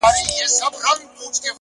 هوډ د ستونزو تر شا رڼا ویني،